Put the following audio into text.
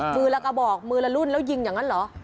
มือละกระบอกมือละรุ่นแล้วยิงอย่างนั้นเหรอ